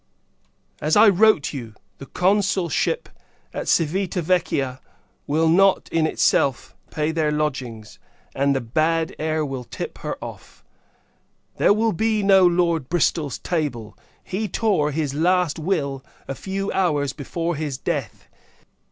As I wrote you, the consulship at Civita Vecchia will not, in itself, pay their lodgings; and, the bad air will tip her off. There will be no Lord Bristol's table. He tore his last will, a few hours before his death.